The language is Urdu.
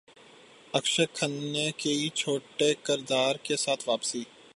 اکشے کھنہ کی چھوٹے کردار کے ساتھ واپسی